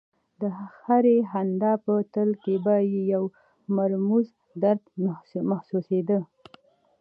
د هرې خندا په تل کې به یې یو مرموز درد محسوسېده